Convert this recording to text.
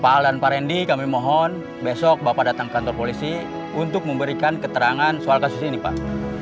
pak alan pak rendy kami mohon besok bapak datang ke kantor polisi untuk memberikan keterangan soal kasus ini pak